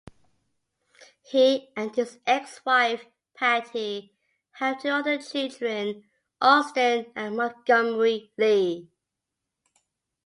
He and his ex-wife Pattie have two other children, Austin and Montgomery Lee.